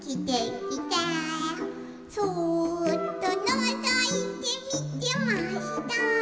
「そうっとのぞいてみてました」